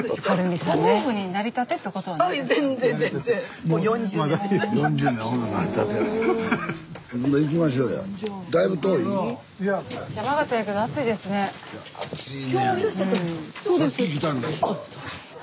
さっき来たんですわ。